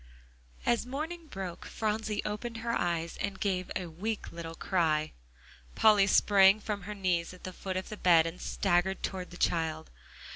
As morning broke, Phronsie opened her eyes, and gave a weak little cry. Polly sprang from her knees at the foot of the bed, and staggered toward the child.